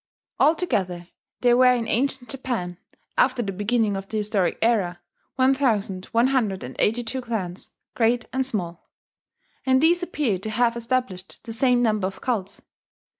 Altogether there were in ancient Japan, after the beginning of the historic era, 1182 clans, great and small; and these appear to have established the same number of cults.